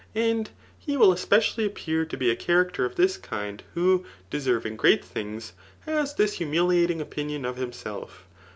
And ^ wll especiaUy aq[>pear tl&be a ckaracter of this kind, who, desewii^ great things, {[has this humilitfing opinion oT hnflsdf.